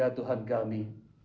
ya tuhan kami